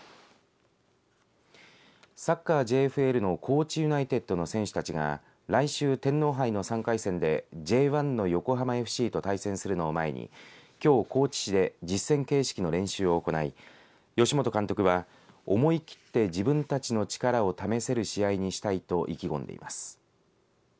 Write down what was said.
サッカーＪＦＬの高知ユナイテッドの選手たちが来週天皇杯の３回戦でＪ１の横浜ＦＣと対戦するのを前にきょう、高知市で実戦形式の練習を行い吉本監督は思い切って自分たちの力を試せる試合にしたいと意気込んでいます。